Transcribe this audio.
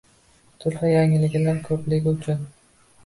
turfa yangiliklar ko‘pligi uchun